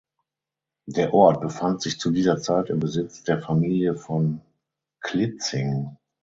Der Ort befand sich zu dieser Zeit im Besitz der Familie von Klitzing.